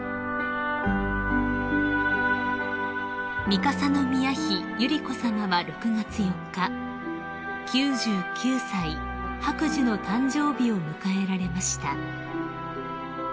［三笠宮妃百合子さまは６月４日９９歳白寿の誕生日を迎えられました］